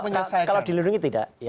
sebenarnya kalau dilindungi tidak